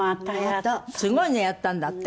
すごいのやったんだって？